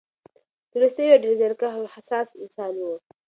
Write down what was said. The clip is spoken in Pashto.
تولستوی یو ډېر زیارکښ او حساس انسان و.